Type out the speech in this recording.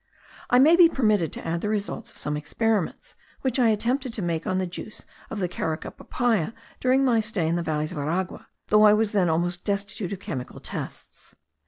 I may be permitted to add the result of some experiments which I attempted to make on the juice of the Carica papaya during my stay in the valleys of Aragua, though I was then almost destitute of chemical tests.